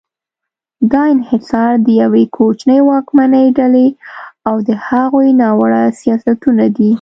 دا انحصار د یوې کوچنۍ واکمنې ډلې او د هغوی ناوړه سیاستونه دي.